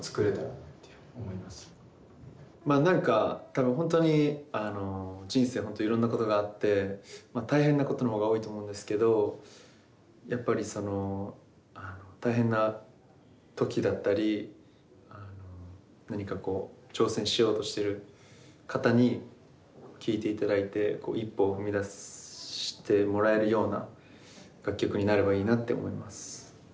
まあ何か多分本当に人生いろんなことがあって大変なことの方が多いと思うんですけどやっぱりその大変な時だったり何かこう挑戦しようとしてる方に聴いていただいて一歩を踏み出してもらえるような楽曲になればいいなって思います。